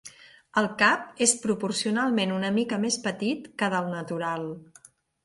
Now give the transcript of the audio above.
El cap és proporcionalment una mica més petit que del natural.